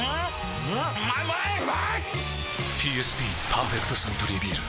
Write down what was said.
ＰＳＢ「パーフェクトサントリービール」